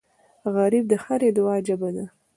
غریب د هرې دعا ژبه ده